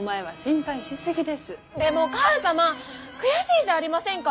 でも母さま悔しいじゃありませんか。